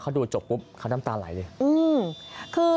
เขาดูจบปุ๊บเขาน้ำตาไหลเลย